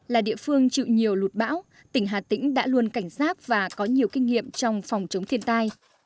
là địa phương chịu nhiều lụt bão tỉnh hà tĩnh đã luôn cảnh giác và có nhiều kinh nghiệm trong phòng chống thiên tai